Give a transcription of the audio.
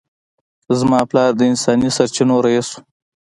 زما پلار د انساني سرچینو رییس و